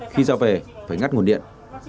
khi ra về phải ngắt nguồn điện